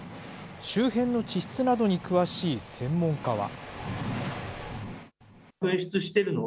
周辺の地質などに詳しい専門家は。